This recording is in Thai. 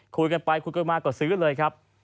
คุยกันไปคุยกันมาก็ซื้อเลยครับ